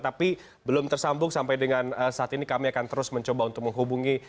tapi belum tersambung sampai dengan saat ini kami akan terus mencoba untuk menghubungi